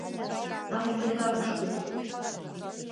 Ажәа хьарԥшгоуп?!